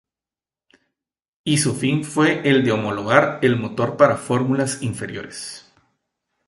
Y su fin fue el de homologar el motor para fórmulas inferiores.